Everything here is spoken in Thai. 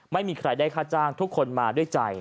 ไม่มีใครได้ค่าจ้างทุกคนมาด้วยใจ